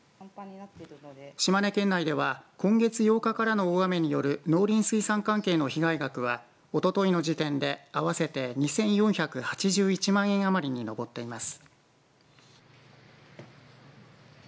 島根県内では今月８日からの大雨による農林水産関係の被害額はおとといの時点で合わせて２４８１万円余りに上っています。